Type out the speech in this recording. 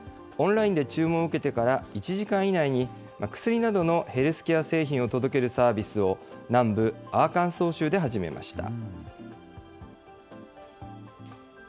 オンラインで注文を受けてから１時間以内に、薬などのヘルスケア製品を届けるサービスを、南部アーカンソー州で始めました。